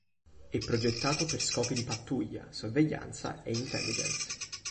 È progettato per scopi di pattuglia, sorveglianza e intelligence.